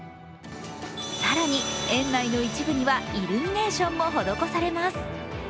更に、園内の一部にはイルミネーションも施されます。